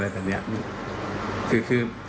แม่จะมาเรียกร้องอะไร